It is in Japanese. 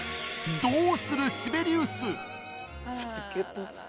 どうするシベリウス⁉